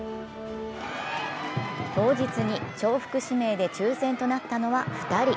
当日に重複指名で抽選となったのは２人。